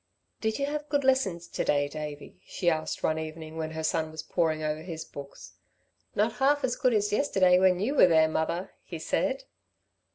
"Did you have good lessons to day, Davey," she asked one evening when her son was poring over his books. "Not half as good as yesterday, when you were there, mother," he said.